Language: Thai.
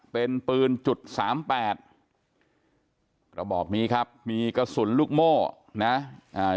เป็นปืนจุดสามแปดกระบอกนี้ครับมีกระสุนลูกโม่นะอ่า